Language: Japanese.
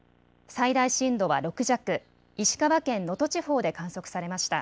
最大震度は６弱、石川県能登地方で観測されました。